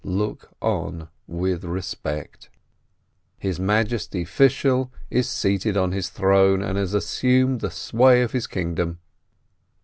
Look on with respect ! His majesty Fishel is seated on his throne, and has assumed the sway of his kingdom.